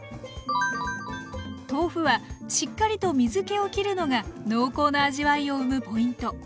豆腐はしっかりと水けをきるのが濃厚な味わいを生むポイント。